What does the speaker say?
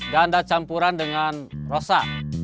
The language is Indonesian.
ganda campuran dengan rosa